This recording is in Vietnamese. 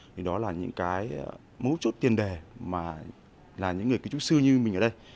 thì đó là những cái mấu chốt tiền đề mà là những người kiến trúc sư như mình ở đây